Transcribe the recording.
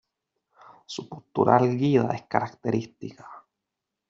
Su postura erguida es característica.